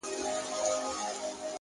د نورو درناوی باور پیاوړی کوي،